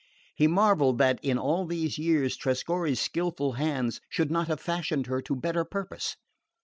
He marvelled that, in all these years, Trescorre's skilful hands should not have fashioned her to better purpose.